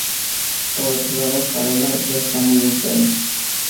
Por otro lado, Carola ya está muy enferma.